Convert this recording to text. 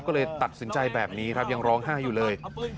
ก็เลยตัดสินใจแบบนี้ครับยังร้องไห้อยู่เลย